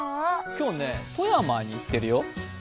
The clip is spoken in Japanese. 今日ね、富山に行ってるよ。